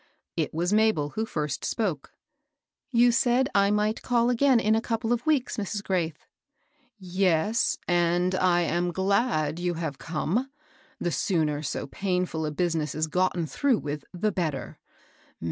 It was Mabel who first spoke. THE AID SOCIETY. 881 ^ You said I might call again in a couple of weeks, Mrs. Graith." "Yes; and I am glad you have come. The sooner so painftd a business is gotten through with the better.